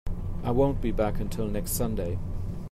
I won't be back until next Sunday.